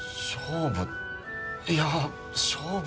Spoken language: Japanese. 勝負。